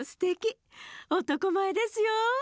おとこまえですよ。